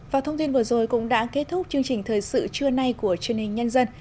và thông tin vừa rồi cũng đã kết thúc chương trình thời sự trưa nay của truyền hình nhân dân